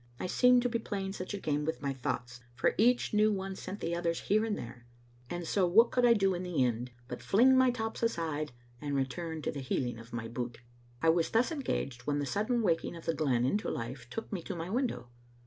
I seemed to be playing such a game with my thoughts, for each new one sent the others here and there, and so what could I do in the end but fling my tops aside, and return to the heeling of my boot? I was thus engaged when the sudden waking of the glen into life took me to my window.